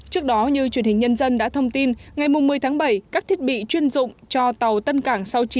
trước đó như truyền hình nhân dân đã thông tin ngày một mươi tháng bảy các thiết bị chuyên dụng cho tàu tân cảng sáu mươi chín